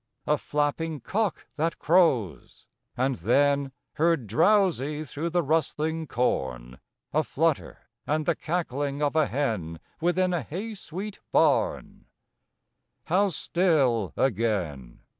A flapping cock that crows; and then Heard drowsy through the rustling corn A flutter, and the cackling of a hen Within a hay sweet barn. How still again!